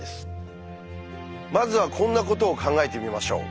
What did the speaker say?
まずはこんなことを考えてみましょう。